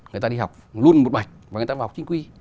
người ta đi học luôn một bạch và người ta vào học chính quy